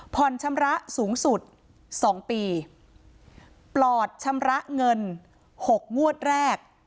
ชำระสูงสุดสองปีปลอดชำระเงินหกงวดแรก